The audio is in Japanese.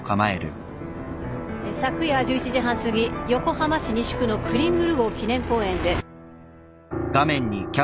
昨夜１１時半すぎ横浜市西区のクリングル号記念公園で。